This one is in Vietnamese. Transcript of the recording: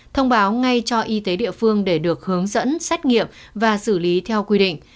thông báo ngay cho y tế địa phương để được hướng dẫn xét nghiệm và xử lý theo quy định